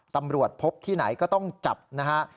ตำรวจพบที่ไหนก็ต้องจับนะฮะ